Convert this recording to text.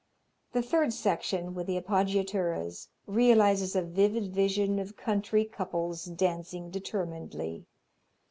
The third section with the appoggiaturas realizes a vivid vision of country couples dancing determinedly.